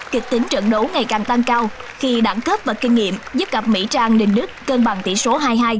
kịch tính trận đấu ngày càng tăng cao khi đẳng cấp và kinh nghiệm giúp cặp mỹ trang đình đức cân bằng tỷ số hai hai